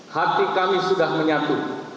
hati kami sudah menyatu